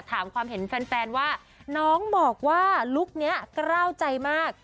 ถามความเห็นแฟนว่าน้องบอกว่าลุคนี้กล้าวใจมาก